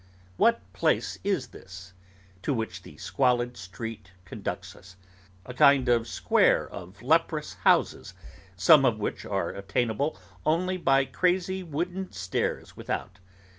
What place is this, to which the squalid street conducts us? A kind of square of leprous houses, some of which are attainable only by crazy wooden stairs without.